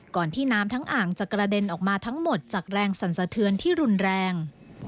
ที่น้ำทั้งอ่างจะกระเด็นออกมาทั้งหมดจากแรงสั่นสะเทือนที่รุนแรง